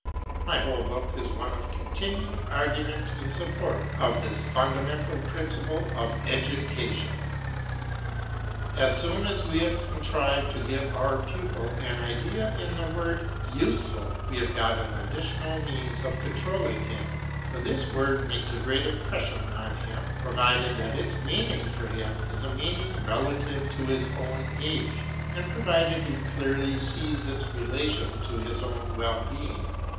My whole book is one continued argument in support of this fundamental principle of education. As soon as we have contrived to give our pupil an idea of the word "Useful," we have got an additional means of controlling him, for this word makes a great impression on him, provided that its meaning for him is a meaning relative to his own age, and provided he clearly sees its relation to his own well being.